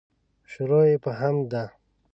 شروع یې په حمد ده.